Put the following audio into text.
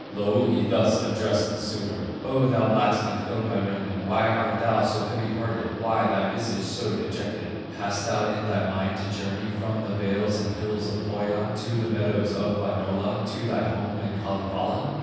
Louhi thus addressed the suitor: "O thou blacksmith, Ilmarinen, Why art thou so heavy hearted, Why thy visage so dejected? Hast thou in thy mind to journey From the vales and hills of Pohya, To the meadows of Wainola, To thy home in Kalevala?"